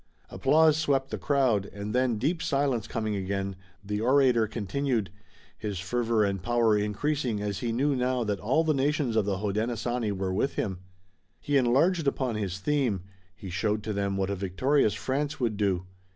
Applause swept the crowd, and then, deep silence coming again, the orator continued, his fervor and power increasing as he knew now that all the nations of the Hodenosaunee were with him. He enlarged upon his theme. He showed to them what a victorious France would do.